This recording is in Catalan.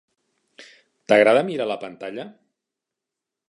T'agrada mirar la pantalla?